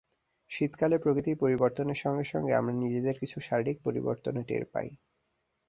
শীতকালে প্রকৃতির পরিবর্তনের সঙ্গে সঙ্গে আমরা নিজেদের কিছু শারীরিক পরিবর্তনও টের পাই।